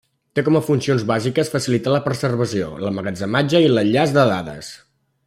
Té com a funcions bàsiques facilitar la preservació, l’emmagatzematge i l’enllaç de dades.